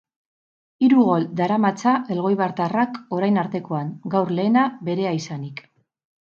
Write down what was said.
Hiru gol daramatza elgoibartarrak orain artekoan, gaur lehena berea izanik.